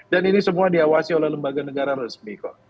dan ini semua diawasi oleh lembaga negara resmi kok